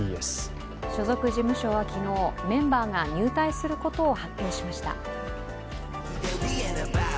所属事務所は昨日、メンバーが入隊することを発表しました。